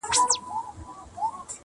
په ځنګله کي به حلال یا غرغړه سم،